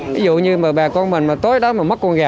ví dụ như bà con mình tối đó mất con gà